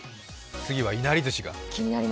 次はいなりずしが。